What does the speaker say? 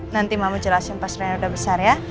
nanti mama jelasin pas rina udah besar ya